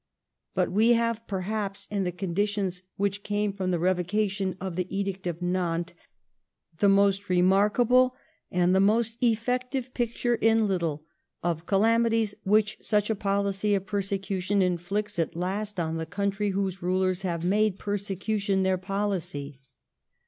But we have perhaps in the conditions which came from the Eevocation of the Edict of Nantes the most remarkable and the most effective picture in little of the calamities which such a policy of persecution inflicts at last on the country whose rulers have made persecution their policy.